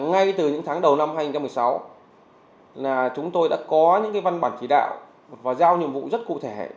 ngay từ những tháng đầu năm hai nghìn một mươi sáu là chúng tôi đã có những văn bản chỉ đạo và giao nhiệm vụ rất cụ thể